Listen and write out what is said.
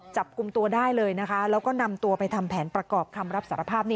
จับกลุ่มตัวได้เลยนะคะแล้วก็นำตัวไปทำแผนประกอบคำรับสารภาพ